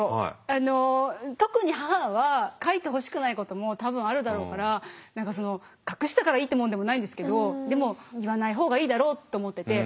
あの特に母は書いてほしくないことも多分あるだろうから何か隠したからいいってもんでもないんですけどでも言わない方がいいだろうって思ってて。